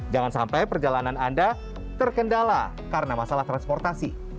jangan sampai perjalanan anda terkendala karena masalah transportasi